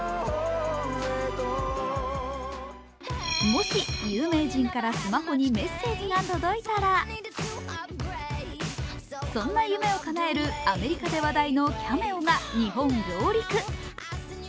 もし有名人からスマホにメッセージが届いたらそんな夢をかなえるアメリカで話題の「Ｃａｍｅｏ」が日本上陸。